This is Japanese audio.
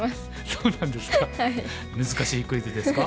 そうなんですね。